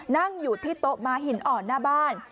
นั่งอยู่ที่โต๊ะม้าหินอ่อนหน้าบ้าน